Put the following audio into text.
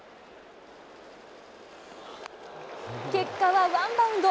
結果はワンバウンド。